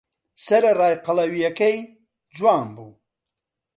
سەرەڕای قەڵەوییەکەی، جوان بوو.